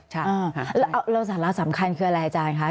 ใช่แล้วสาระสำคัญคืออะไรอาจารย์คะ